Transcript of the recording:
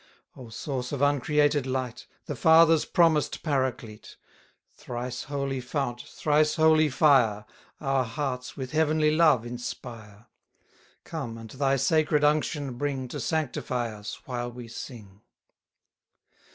O source of uncreated light, The Father's promised Paraclete! Thrice holy fount, thrice holy fire, Our hearts with heavenly love inspire; Come, and thy sacred unction bring To sanctify us, while we sing!